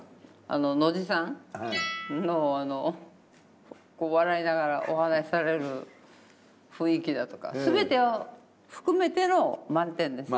あの野地さんの笑いながらお話しされる雰囲気だとか全てを含めての満点です。